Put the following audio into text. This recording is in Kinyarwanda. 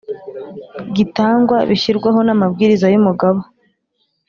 gitangwa bishyirwaho n amabwiriza y umugaba